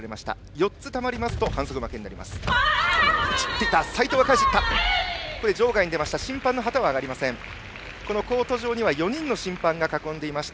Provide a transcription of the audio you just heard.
４つたまりますと反則負けです。